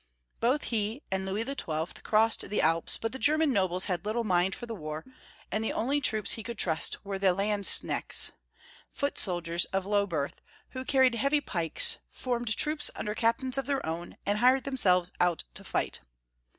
Both he and Louis XII. crossed the Alps, but the German nobles had little mind for the war, and the only troops he could trust were the landsknechts, foot soldiers of low V V Maximilian. 263 birth, who carried heavy pikes, formed troops un der captains of their own, and hired themselves out to fight.